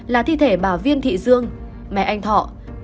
là thi thể bà viên thị dương mẹ anh thọ